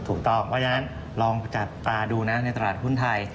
ถูกต้องเพราะฉะนั้นลองจับตาดูนะในตลาดหุ้นไทย